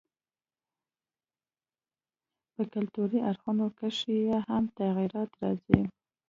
په کلتوري اړخونو کښي ئې هم تغيرات راځي.